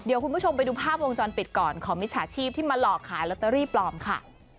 เดี๋ยวคุณผู้ชมไปดูภาพวงจรปิดก่อนของมิจฉาชีพที่มาหลอกขายลอตเตอรี่ปลอมค่ะ